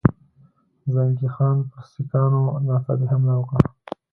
زنګي خان پر سیکهانو ناڅاپي حمله وکړه.